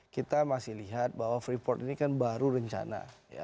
kita masih lihat bahwa freeport ini kan baru rencana